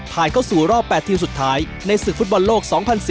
เข้าสู่รอบ๘ทีมสุดท้ายในศึกฟุตบอลโลก๒๐๑๘